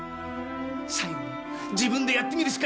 最後には自分でやってみるしかないって。